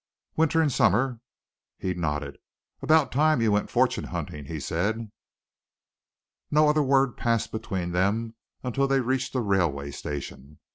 "Winter and summer." He nodded. "About time you went fortune hunting!" he said. No other word passed between them until they reached the railway station.